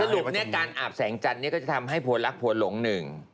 สรุปเนี่ยการอาบแสงจันทร์ก็จะทำให้พลักษัวหลงหนึ่ง